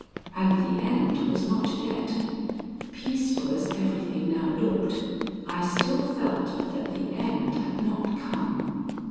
And the end was not yet. Peaceful as everything now looked, I still felt that the end had not come.